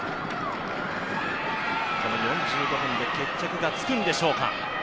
この４５分で決着がつくんでしょうか。